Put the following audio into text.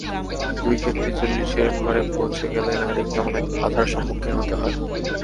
দুই ক্ষেত্রেই চল্লিশের ঘরে পৌঁছে গেলে নারীকে অনেক বাধার সম্মুখীন হতে হয়।